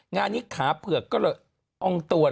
งานนี้ขาเปลือกก็เหลือกอ้องตวน